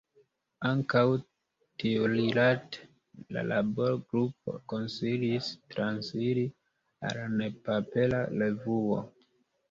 Ankaŭ tiurilate la labor-grupo konsilis transiri al nepapera revuo.